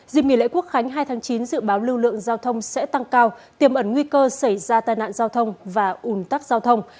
dịp nghỉ lễ quốc khánh hai tháng chín dự báo lưu lượng giao thông sẽ tăng cao tiềm ẩn nguy cơ xảy ra tai nạn giao thông và ủn tắc giao thông